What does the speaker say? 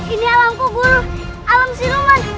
ini alamku guru alam siluman